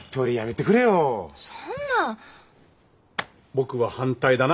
僕は反対だな。